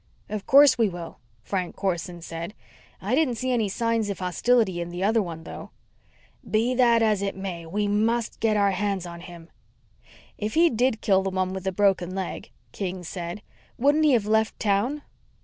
"Of course, we will," Frank Corson said. "I didn't see any signs of hostility in the other one, though." "Be that as it may, we must get our hands on him." "If he did kill the one with the broken leg," King said, "wouldn't he have left town?"